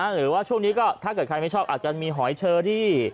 หรือว่าช่วงนี้ก็ถ้าเกิดใครไม่ชอบอาจจะมีหอยเชอที่